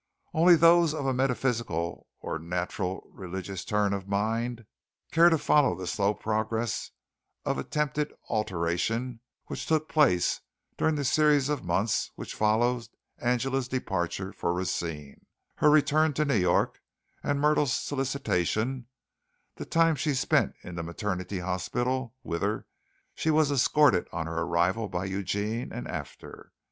Only those of a metaphysical or natural religious turn of mind would care to follow the slow process of attempted alteration, which took place during the series of months which followed Angela's departure for Racine, her return to New York at Myrtle's solicitation, the time she spent in the maternity hospital, whither she was escorted on her arrival by Eugene and after.